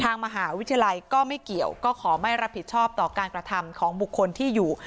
ทางมหาวิทยาลัยก็ไม่เกี่ยวก็ขอไม่รับผิดชอบต่อการกระทำของบุคคลที่อยู่